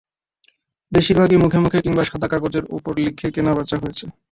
বেশির ভাগই মুখে মুখে কিংবা সাদা কাগজের ওপর লিখে বেচাকেনা হয়েছে।